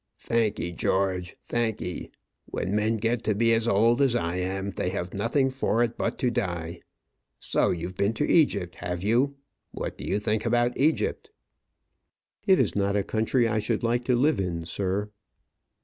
"Thank'ee, George, thank'ee. When men get to be as old as I am, they have nothing for it but to die. So you've been to Egypt, have you? What do you think about Egypt?" "It is not a country I should like to live in, sir."